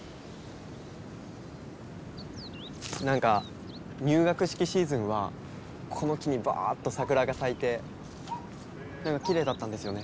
なんか入学式シーズンはこの木にバーッと桜が咲いてきれいだったんですよね。